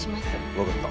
分かった。